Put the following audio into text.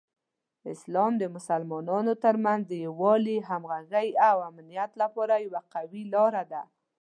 اسلام د مسلمانانو ترمنځ د یووالي، همغږۍ، او امنیت لپاره یوه قوي لاره ده.